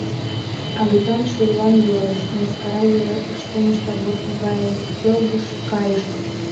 Агытан шӱрлан йӧрыш, мыскара йӧре ыштымышт агур гай келгыш кайыш.